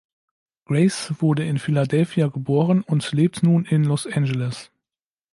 Grace wurde in Philadelphia geboren und lebt nun in Los Angeles.